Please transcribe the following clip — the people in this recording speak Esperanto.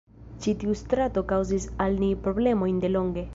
Ĉi tiu strato kaŭzis al ni problemojn delonge.